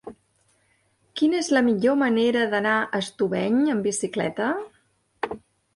Quina és la millor manera d'anar a Estubeny amb bicicleta?